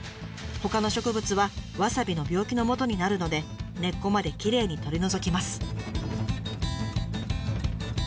ほかの植物はわさびの病気のもとになるので根っこまできれいに取り除きます。